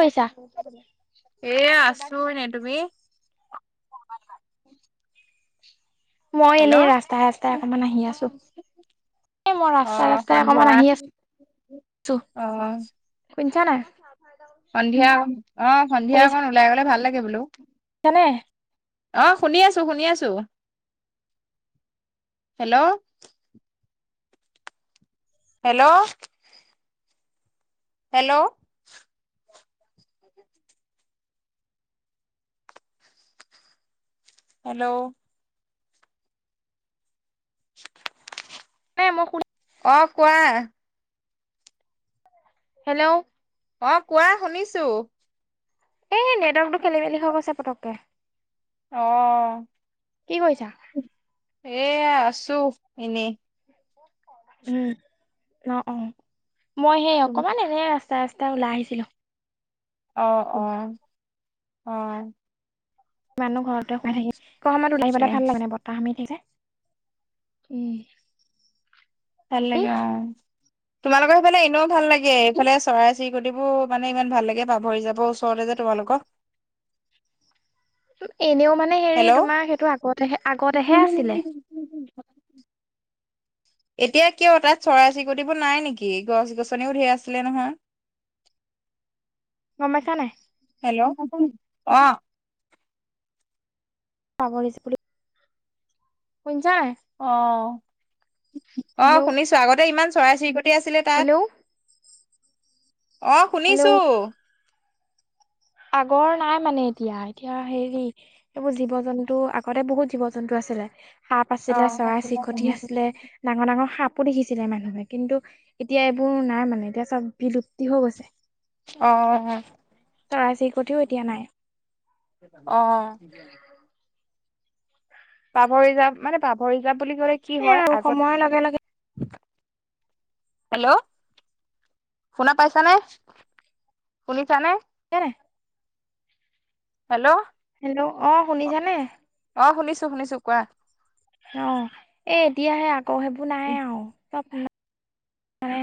কৈছা? এ আছো এনে। তুমি? মই হেল্ল' এনে ৰাস্তাই ৰাস্তাই অকনমান আহি আছোঁ। এ মই অ ৰাস্তাই ৰাস্তাই সন্ধিয়া অকমান আহি আছ- অ শুনিছা নাই? সন্ধিয়া অ অ সন্ধিয়া অকণ ওলাই গলে ভাল লাগে বোলো। নে আহ শুনি আছোঁ, শুনি আছোঁ। হেল্ল' হেল্ল' হেল্ল' হেল্ল' [inaudible] নে মই শুনা অ কোৱা? হেল্ল' অ কোৱা? শুনিছো। এই নেটৱৰ্কতটো খেলি মেলি হও গৈছে পটককে। অ কি কৰিছা? এয়া আছ- আছো এনে উম অ অ মই সেই তুমি অকমান এনেই আছ- ৰাস্তা ৰাস্তা ওলাই আহিছিলোঁ। অহ অহ অহ ইমান নো ঘৰতে সোমাই থাকিম এই সময়ত উলাই তাকে আহিব ভাল লাগে বতাহ মাৰি থাকে। উম ভাল তুমি লাগে অ। তোমালোকৰ সেইফালে এনেও ভাল লাগে এইফালে চৰাই চিৰিকটিবোৰ মানে ইমান ভাল লাগে পাভ ৰিজাৰ্ভ ওচৰতে যে তোমালোক এনেও মানে হেৰি তোমাৰ সেইটো আগতে আগতেহে আছিলে। হেল্ল' [unintelligible] এতিয়া কিয় তাত চৰাই চিৰিটবোৰ নাই নেকি গছ গছনিও ঢেৰ আছিলে নহয়। [inaudible] গম পাইছা নাই? হেল্ল' অ পাভ ৰিজাৰ্ভ বোলো শুন- অ'! অ'! হেল্ল' শুনিছোঁ। আগতে, ইমান চৰাই চিৰিকটি আছিলে তাত। হেল্ল' অ হেল্ল'। শুনিছোঁ। আগৰ নাই মানে এতিয়া এতিয়া হেৰি এইবোৰ জীৱ জন্তু আগতে বহুত জীৱ জন্তু আছ- ছিলে, সাপ অ আছিলে চৰাই-চিৰিকটি আছিলে, ডাঙৰ ডাঙৰ সাপ পো দেখিছিলে মানুহে কিন্তু এতিয়া এইবোৰ নাই মানে এতিয়া চব বিলুপ্তি হৈ গৈছে। অ অ চৰাই-চিৰিকটিও এতিয়া নাই। অহ। পাভ ৰিজাৰ্ভ যাব মানে পাভ ৰিজাৰ্ভ বুলি ক'লে কি এ হয় আৰু সময়ৰ লগে লগে আগত হেল্ল' শুনা পাইছানে, শুনিছানে? কেতে হেল্ল' হেল্ল' অ শুনিছানে অ শুনিছোঁ, শুনিছোঁ। কোৱা? অ এ এতিয়াহে আকৌ সেইবোৰ নাই আও চব [inaudible] মানে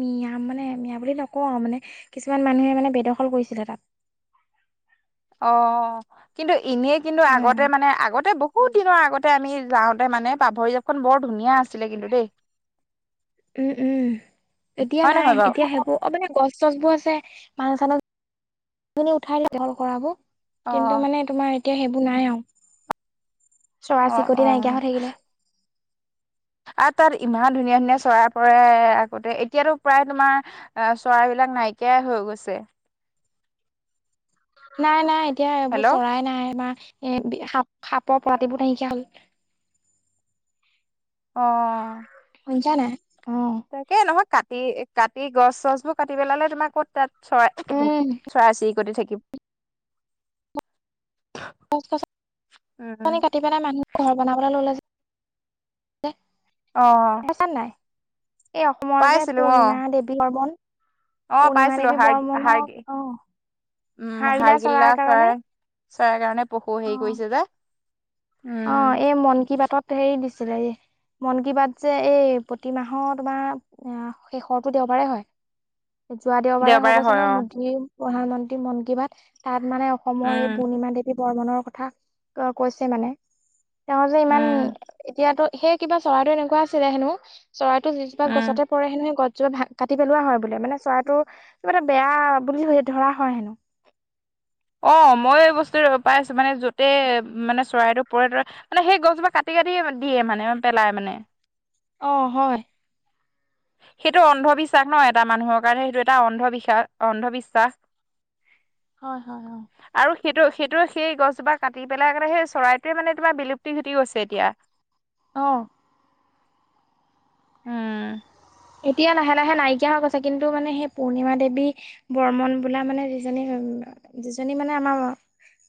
মিয়া মানে মিয়া বুলি নকওঁ আৰু মানে কিছুমান মানুহে মানে বেদখল কৰিছিলে তাত। [inaudible] অ কিন্তু এনেই কিন্তু অ আগতে মানে আগতে বহুত দিনৰ আগতে আমি যাওঁতে মানে পাভ ৰিজাৰ্ভ খন বৰ ধুনীয়া আছিলে কিন্তু দেই। উম উম এতিয়া হয় নাই নহয় এতিয়া বাৰু সেইবোৰ মানে গছ চচবোৰ আছে মানুহ চানুহ উঠাই দখল কৰা বোৰ। অ কিন্তু মানে তোমাৰ এতিয়া সেইবোৰ নাই আও। অ অ চৰাই-চৰিকটি নাইকিয়া হৈ থাকিলে। আৰু তাত, ইমান ধুনীয়া, ধুনীয়া চৰাই পৰে আগতে! এতিয়াতো প্ৰায় তোমাৰ, আঁ চৰাই এই বিলাক নাইকিয়াই হৈ গৈছে। নাই, নাই। এতিয়া এইবোৰ হেল্ল' চৰাই নাই। আমাৰ এ, সাপ, সাপৰ প্ৰজাতিবোৰ নাইকিয়া হ'ল। অ'! শুনিছা নাই? অ তাকে, নহয়। কাটি, কাটি গছ চছবোৰ কাটি পেলালে। তোমাৰ ক'ত তাত চৰাই, উম চৰাই-চিৰিকটি থাকি গছ, গছ, গছ-গছনি কাটি পেলাই মানুহ ঘৰ বনাবলে ল'লে যে। অ [unintelligible] বুজিছা নাই? এই অসমৰ যে, পাইছিলো অ পূৰ্ণিমা দেৱী বৰ্মন। অ'! পূৰ্ণিমা পাইছিলোঁ। দেৱী হাৰ্গ, বৰ্মনৰ হাৰ্গি অ উম, হাড়িলা চৰাইৰ হাৰ্গিল্লা কাৰণে চৰাই, চৰাই কাৰণে, পশু হেৰি অ কৰিছে যে। উম অ'! এই মন কি বাতত হেৰি দিছিলে। এ মন কি বাত যে, এই প্ৰতিমাহৰ তোমাৰ, শেষৰটো দেওবাৰে হয়। যোৱা দেওবাৰে হৈ গৈছে হয় অ নহয়, মোদীৰ প্ৰধানমন্ত্ৰী মন কি বাত। তাত মানে, অসমৰ উম এই, পূৰ্ণিমা দেৱী বৰ্মনৰ কথা কৈছে মানে। তেওঁ যে ইমান, উম এতিয়াতো, সেই কিবা চৰাইটো এনেকুৱা আছিলে হেনোঁ। চৰাইটো যি জোপা উম গছতে পৰে হেনোঁ। সেই, গছ [unintelligible] কাটি পেলোৱা হয়। বোলে মানে, চৰাইটো কিবা এটা বেয়া বুলি ধৰা হয় হেনোঁ। [inaudible] অ'! মইয়ো এই বস্তুটো পাইছোঁ। মানে, য'তে মানে, চৰাইটো পৰে, তাৰে মানে, সেই গছজোপা কাটি [unintelligible] দিয়ে মানে, পেলাই মানে। অ'! হয়। সেইটো অন্ধবিশ্বাস ন' এটা মানুহৰ কাৰণে। সেইটো এটা অন্ধবি [unintelligible] অন্ধবিশ্বাস। হয়, হয়, হয়। আৰু সেইটো, সেইটো, সেই গছজোপাৰ কাটি পেলাই মানে, সেই চৰাইটোৱে মানে, তোমাৰ বিলুপ্তি ঘটি গৈছে এতিয়া। অ'! উম! এতিয়া, লাহে লাহে নাইকিয়া হৈ গৈছে। কিন্তু, মানে সেই পূৰ্ণিমা দেৱী বৰ্মন বোলা মানে, যিজনী [unintelligible] যিজনী মানে আমাৰ,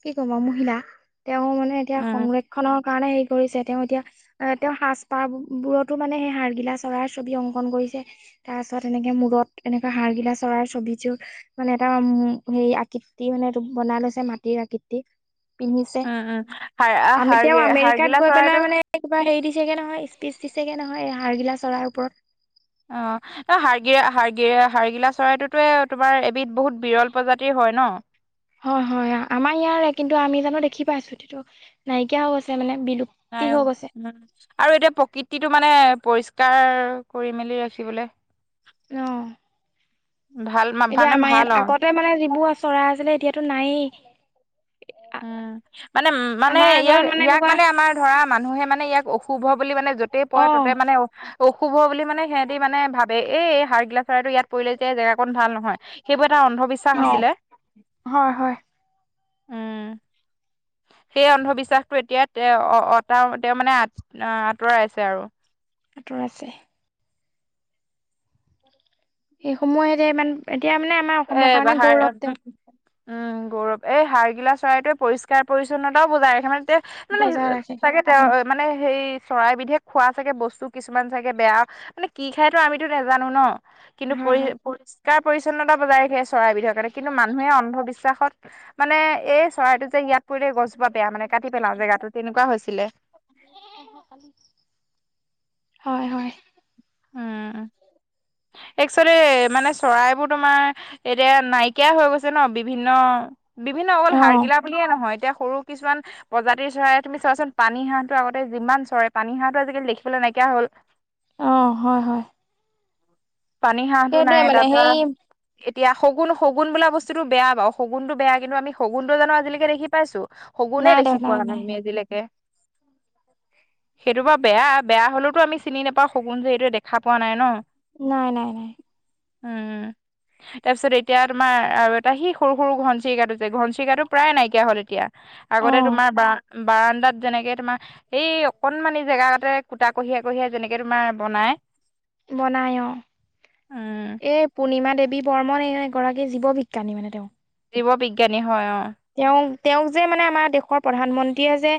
কি ক'ম আৰু মহিলা। তেওঁ মানে, এতিয়া উম সংৰক্ষনৰ কাৰণে, হেৰি কৰিছে। তেওঁ এতিয়া, এ তেওঁ সাজ- পাৰ বোৰতো মানে, সে হাৰ্গিলা চৰাই ছবি অং অংকন কৰিছে। তাৰ পাছত, এনেকে মূৰত, এনেকা হাৰ গিলা চৰাইৰ ছবিযোৰ, মানে এটা উ সেই আকৃতি মানে, এইটো বনাই লৈছে, মাটিৰ আকৃতি। পিন্ধিছে। উম উম হাৰ আমি, তেওঁ হাৰ্গি আমেৰিকাত হাৰ্গিলা গৈ চৰাইটো পেলাই মানে কিবা হেৰি দি দিছেগে নহয়, স্পিচ দিছেগে নহয়! এ, হাৰ্গিলা চৰাইৰ ওপৰত। অ'! হাৰ্গি, হাৰ্গি, হাৰ্গিলা চৰাইটো টোৱে, তোমাৰ এবিধ বহুত বিৰল প্ৰজাতিৰ হয় ন? হয়, হয়, আমাৰ ইয়াৰে। কিন্তু, আমি জানোঁ দেখি পাইছো? এতিয়াতো নাইকিয়া হৈ গৈছে মানে। বিলুপ্তি নাই অ'! হৈ গৈছে উম আৰু এতিয়া প্ৰকৃতিটো মানে পৰিষ্কাৰ কৰি মেলি ৰাখিবলে অ'! ভাল মা- এতিয়া, মানে আমাৰ ভাল অ ইয়াত আগতে মানে, যিবোৰ চৰাই আছিলে, এতিয়াতো নাইয়েই। উম! মানে, মানে, আমাৰ ইয়াক, ঘৰত ইয়াক এনেকুৱা মানে আমাৰ ধৰা, মানুহে মানে ইয়াক অশুভ বুলি মানে, য'তেই অ পৰে, ত'তে মানে, অশুভ বুলি মানে, সিহঁতি মানে ভাৱে! এই, হাৰ্গিলা চৰাইটো ইয়াত পৰিলে যে, এই জেগা কন ভাল নহয়। সেইবোৰ এটা অ অন্ধবিশ্বাস আছিলে। হয়, হয়। উম [inaudible] সেই অন্ধবিশ্বাসটো এতিয়া তেওঁ অটা তেওঁ মানে আঁতৰাইছে আৰু। আঁতৰাইছে। সেই সমূয়তে ইমান এতিয়া মানে আমাৰ অসমৰ এ কাৰণে গৌৰৱ বাহাৰ তেওঁ। উম গৌৰৱ এই হাৰগিলা চৰাইটোৱে পৰিষ্কাৰ পৰিচ্ছন্নতাও বুজাই ৰাখে [unintelligible] তে মানে বজাই ৰাখে চাগে তেওঁ মানে সেই চৰাইবিধে খোৱা চাগে বস্তু কিছুমান চাগে বেয়া মানে কি খায়তো আমিতো নাজানো ন। কিন্তু হয় পৰি হয় পৰিষ্কাৰ পৰিচ্ছন্নতা বজাই ৰাখে চৰাইবিধৰ কাৰণে কিন্তু মানুহে অন্ধবিশ্বাসত মানে এই চৰাইটো যে ইয়াত পৰিলে গছ জোপা বেয়া মানে কাটি পেলাও জেগাতো তেনেকুৱা হৈছিলে। হয় হয়। একচোৱেলি মানে চৰাইবোৰ তোমাৰ এতিয়া নাইকিয়া হৈ গৈছে ন বিভিন্ন বিভিন্ন অ অকল হাৰগিলা বুলিয়ে নহয় এতিয়া সৰু কিছুমান প্ৰজাতিৰ চৰাই তুমি চোৱাচোন পানী হাঁহটো আগতে যিমান চৰা পানী হাঁহটো আজিকালি দেখিবলে নাইকিয়া কা হ'ল। অ হয় হয়। পানী হাঁহটো সেইটোৱে নাই মানে তাপা সেই এতিয়া শগুণ শগুণ বোলা বস্তুটো বেয়া বাও, শগুণটো বেয়া কিন্তু আমি শগুটো জানো আজিলেকে দেখি পাইছোঁ? শগুনে দেখি পোৱা নাই আমি আজিলেকে। সেইটো বা বেয়া বেয়া হলেওতো আমি চিনি নোপাওঁ শগুণ যে এইটোৱে দেখা পোৱা নাই ন। নাই নাই নাই। উম। তাৰপিছত এতিয়া তোমাৰ আৰু এটা সি সৰু সৰু ঘন চিৰিকাটো যে ঘন চিৰিকাটো প্ৰায় নাইকিয়া হ'ল এতিয়া। অ আগতে তোমাৰ বা বাৰান্দাত যেনেকে তোমাৰ এই অকনমান এই জেগা তাতে কুটা কঢ়িয়া কঢ়িয়াই যেনেকে তোমাৰ বনাই। বনাই অ উম এ পূৰ্ণিমা দেৱ- বি বৰ্মন এই এগৰাকী জীৱ বিজ্ঞানী মানে তেওঁ। জীৱ বিজ্ঞানী হয় অ। তেওঁ তেওঁক যে মানে আমাৰ দেশৰ প্ৰধানমন্ত্ৰীয়ে যে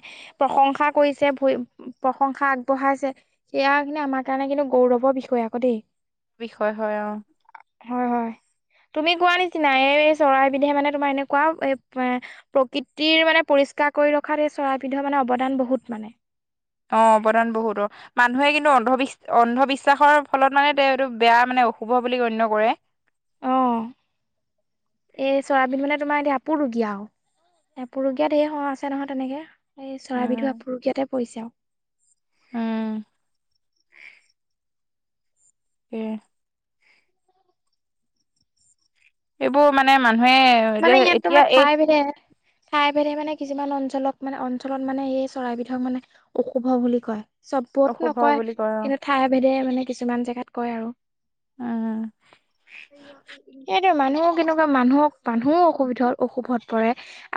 প্ৰশংসা কৰিছে ভই প্ৰশংসা আগবঢ়াই- খাইছে সেয়া কিন্তু আমাৰ কাৰণে কিন্তু গৌৰৱৰ বিষয় আকৌ দেই। বিষয় হয় অহ। হয় হয় তুমি কোৱা নিচিনা এই চৰাইবিধে মানে তোমাৰ এনেকুৱা এপ- এ প্ৰকৃতিৰ মানে পৰিষ্কাৰ কৰি ৰখাত এই চৰাইবিধৰ মানে অৱদান বহুত মানে। অ অৱদান বহুত অ। মানুহে কিন্তু অন্ধবিশ্ব অন্ধবিশ্বাসৰ ফলত মানে এইটো বেয়া মানে অশুভ বুলি গণ্য কৰে। অ এই চৰাইবিধ মানে তোমাৰ এতিয়া আপুৰুগীয়া আও, আপুৰুগীয়াত ধেই হহা আছে নহয় তেনেকে। এই চৰাইবিধু উম আপুৰুগীয়াতে পৰিছে আও। উম। উম। সেইবোৰ মানে মানুহে মানে যে এতিয়া এই বেদে মানে কিছুমান অঞ্চলক মানে অঞ্চলত মানে এই চৰাইবিধক মানে অশুভ বুলি কয়। চপোত অশুভ নকয় বুলি কয় অ কিন্তু ঠাই ভেদে মানে কিছুমান জেগাত কয় আৰু। উম এইটো মানুহ কেনেকুৱা মানুহক মানুহও অসুবিধ অশুভত পৰে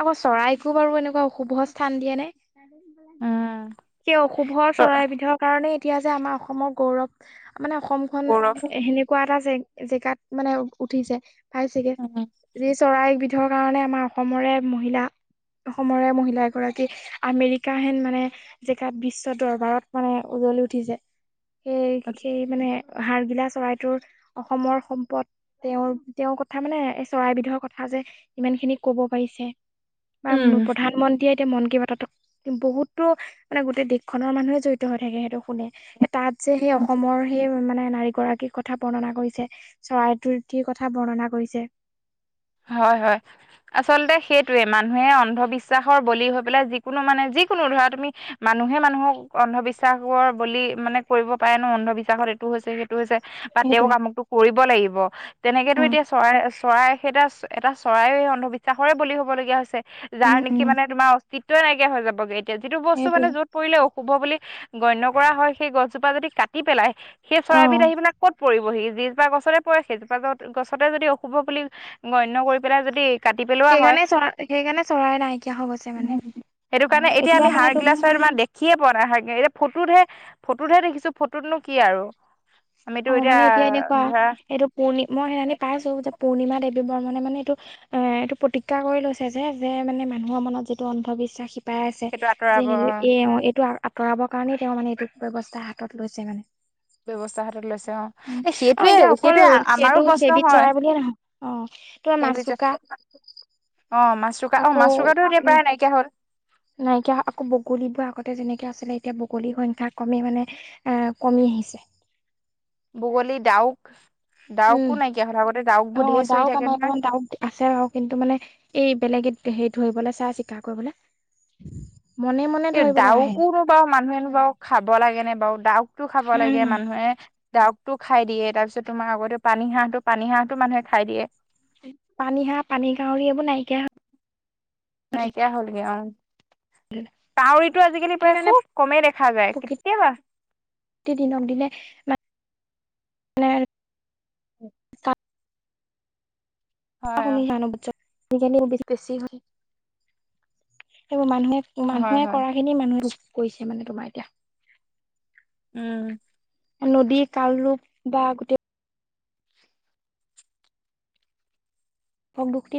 আকৌ চৰাইকো বাৰু এনেকুৱা অশুভ স্থান দিয়ে নে। উম সেই অশুভ চৰাইবিধৰ কাৰণে এতিয়া যে আমাৰ অসমৰ গৌৰৱ। মানে অসমখন গৌৰৱ সেনেকুৱা এটাে জে জেগাত মানে উঠিছে পাইছেগে। উম যি চৰাইবিধৰ কাৰণে আমাৰ অসমৰে মহিলা অসমৰে মহিলা এগৰাকী আমেৰিকা হেন মানে জেগাত বিশ্ব দৰবাৰত মানে উজলি উঠিছে। সেই সেই মানে হাৰগিলা চৰাইটোৰ অসমৰ সম্পদ। তেওঁৰ তেওঁৰ কথা মানে চৰাইবিধৰ কথা যে ইমান খিনি কব পাৰিছে। উম বাম প্ৰধানমন্ত্ৰী এতিয়া তিয়া মন কি বাতোতো বহুতো মানে গোটেই দেশখনৰ মানুহে জড়িত হৈ থাকে সেটো শুনে তাত যে সেই অসমৰ সেই মানে নাৰী গৰাকীৰ কথা বৰ্ণনা কৰিছে চৰাইটো টিৰ কথা বৰ্ণনা কৰিছে। হয় হয় আচলতে সেইটোয়ে মানুহে অন্ধবিশ্বাসৰ বলি হৈ পেলাই যিকোনো মানে যে যিকোনো ধৰা তুমি মানুহে মানুহক অন্ধবিশ্বাসৰ বলি মানে কৰিব পাৰে ন অন্ধবিশ্বাসত এত- ইটো হৈছে সেইটো হৈছে বা তেওঁক সেইটোৱে আমুকটো কৰিব লাগিব তেনেকেতো হয় এতিয়া চৱাই চৱাই সেইটা এটা চৰাই এই অন্ধবিশ্বাসৰে বলি হবলগীয়া হৈছে যাৰ উম নেকি উম মানে তোমা- টিটটুৱেয়ে নাইকিয়া‌ হৈ যাবগে এতিয়া যিটো বস্তু মানে সেইটোৱে য'ত পৰিলে অশুভ বুলি গণ্য কৰা হয় সেই গছজোপা যদি কাটি পেলাই সেই চৰাইবিধ অ আহি পেনাই কত পৰিব সি। যিজোপা গছতে পৰে সেইজোপা জ গছতে যদি অশুভ বুলি গণ্য কৰি পেলাই যদি কাটি পেলোৱা হয় সেইকাৰণে চৰা সেইকাৰণে চৰাই নাইকিয়া হৈ গৈছে মানে সেইটো তোমাৰ কাৰণে এতিয়া আমি মানে হাৰ এইটো গিলা চৱাইটো মা দেখ- খিয়ে পোৱা নাই হাইগ এতিয়া ফটোতহে ফটোতহে দেখিছো ফটোতনো কি আৰু। অ মানে এতিয়া এনেকুৱা ধৰা এইটো পূৰ্ণি মই সেইনানি পাইছো যে পূণিমা দেৱ বৰ্মনে মানে এইটো এ এইটো প্ৰতিগ্যা কৰি লৈছে যে যে মানে মানুহৰ মনত যিটো অন্ধবিশ্বাস সি পাই আছে সেইটো আঁতৰাব যে এ অ এইটো আ আ আঁতৰাব কাৰণেই তেওঁ মানে এইটো ব্যৱস্থা হাতত লৈছে মানে। ব্যৱস্থ- তা হাতত লৈছে অ উম এ আৰু সেইটোৱে এতিয়া অকল সেইটোৱে আমাৰো সেইটো প্ৰশ্ন সেইবিধ হয়। চৰাই বুলিয়ে নহয় অ তোমাৰ সে- মাচুকা অ মাছৰোকা অ আকৌ মাছৰোকাটো এতিয়া উম প্ৰায় নাইকিয়া হ'ল। নাইকিয়া হ‌ আকৌ বগলীবুৱা আগতে যেনেকে আছিলে এতিয়া বগলী সংখ্যা কমেই মানে এ কমি আহিছে। বগলী, ডাউক, ডাউকো উম নাইকিয়া হৈ থাকিয়া আগত। অ দাউক আমা এপেলেন দাউক আছে বাও কিন্তু মানে এই বেলেগে সেই ধৰিবলে চাই চিকা কৰিবলে। এ দাউকোনো বাও মানুহেনো বাও খাব লাগে নে বাও দাউক টো খাব লাগে উম মানুহে। দাউকতো খাই দিয়ে তাপিছত তোমাৰ আগতে পানী হাঁহ পানী হাঁহোটো মানুহে খাই দিয়ে। পানী হাহ পানী কাউৰি এইবোৰত নাইকিয়া হ নাইকিয়া হ'লগে অঁ। তাউৰীটো আজিকালি প্ৰায় সেইকাৰণে খুব কমেই দেখা যায় কেতিয়াবা। প্ৰতি দিনক দিনে মা নে হয় শুনি অ জান বুজছ কিজানি আক বে বেছি হয়। মানুহে হয় মানুহে হয় কৰা খিনি মানুহে কৰিছে মানে তোমাৰ এতিয়া। উম। নদী কালৰূপ বা গোটেই ভূ দুকটি